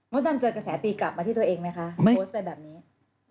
ดำเจอกระแสตีกลับมาที่ตัวเองไหมคะโพสต์ไปแบบนี้